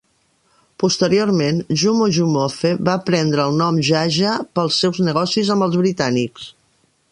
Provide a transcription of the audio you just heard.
Posteriorment, Jumo Jumofe va prendre el nom "Jaja" pels seus negocis amb els britànics.